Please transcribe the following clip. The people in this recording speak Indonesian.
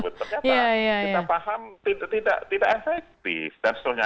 kalau saya paham tidak efektif dan seterusnya